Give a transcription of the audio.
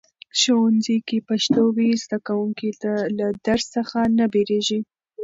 ښوونځي کې پښتو وي، زده کوونکي له درس څخه نه بیریږي.